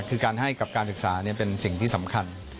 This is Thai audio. คือการให้กับการศึกษาเป็นสิ่งที่สำคัญ